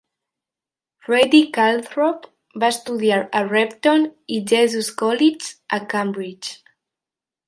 Freddie Calthorpe va estudiar a Repton i Jesus College, a Cambridge.